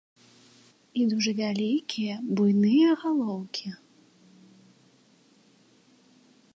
І дужа вялікія, буйныя галоўкі.